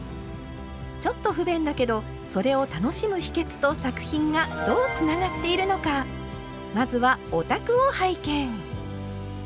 ちょっと不便だけどそれを楽しむ秘けつと作品がどうつながっているのかまずはお宅を拝見！